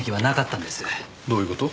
どういう事？